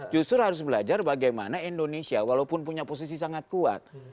justru harus belajar bagaimana indonesia walaupun punya posisi sangat kuat